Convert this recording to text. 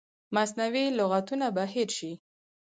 مصنوعي لغتونه به هیر شي.